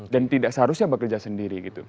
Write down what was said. dan tidak seharusnya bekerja sendiri